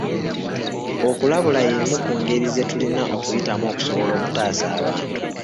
Okulabula y'emu ku ngeri ze tulina okuyitamu okusobola okutaasa abantu.